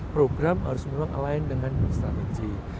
program harus meruang dengan strategi